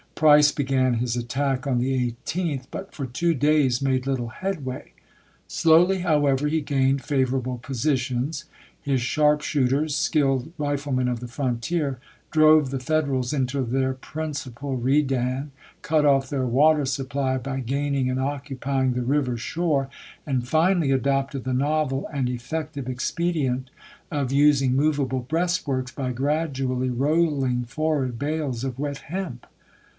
Price began his attack on the 18th, but for two days made little headway. Slowly, however, he gained favorable positions ; his sharp shooters, skilled riflemen of the frontier, drove the Federals into their principal redan, cut off their water supply by gaining and occupying the river shore, and finally adopted the novel and effective expe dient of using movable breastworks, by gradually rolling forward bales of wet hemp.